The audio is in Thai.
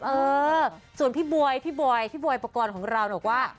เออส่วนพี่บวยพี่บวยพี่บวยประกอลของเรานะว่า